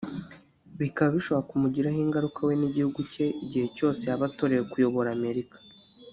Bikaba bishobora no kumugiraho ingaruka we n’igihugu cye igihe cyose yaba atorewe kuyobora Amerika